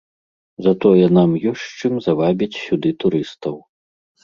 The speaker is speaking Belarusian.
Затое нам ёсць чым завабіць сюды турыстаў.